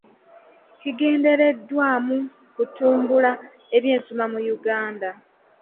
Kigendereddwamu kutumbula ebyensoma mu Uganda.